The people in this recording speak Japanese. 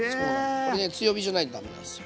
これね強火じゃないとダメなんですよ。